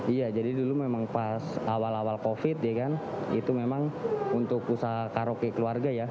iya jadi dulu memang pas awal awal covid ya kan itu memang untuk usaha karaoke keluarga ya